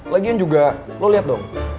lagian juga lo lihat dong